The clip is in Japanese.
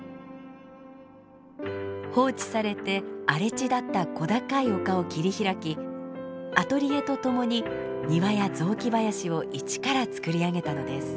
放置されて荒れ地だった小高い丘を切り開きアトリエとともに庭や雑木林をいちからつくり上げたのです。